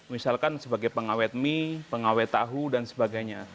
misalkan sebagai pengawet mie pengawet tahu dan sebagainya